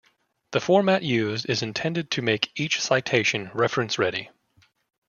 The format used is intended to make each citation reference-ready.